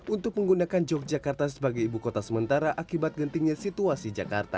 untuk menggunakan yogyakarta sebagai ibu kota sementara akibat gentingnya situasi jakarta